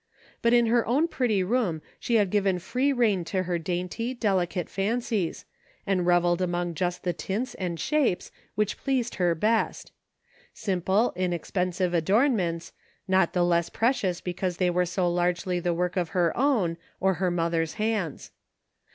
But in her own pretty room she had given free rein to her dainty, delicate fancies, and reveled among just the tints and shapes which pleased her best. Simple, inexpensive adornments, not the less pre cious because they were so largely the work of her own, or her mother's hands.